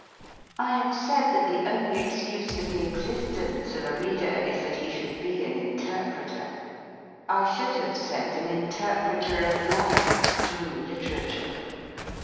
I have said that the only excuse for the existence of a reader is that he should be an interpreter. I should have said an interpreter of life through litera ture.